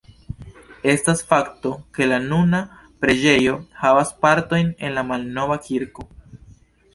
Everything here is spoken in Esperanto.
Estas fakto, ke la nuna preĝejo havas partojn el la malnova kirko.